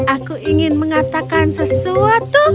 aku ingin mengatakan sesuatu